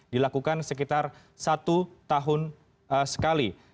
dilakukan sekitar satu tahun sekali